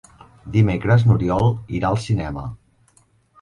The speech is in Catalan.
Dimecres n'Oriol irà al cinema.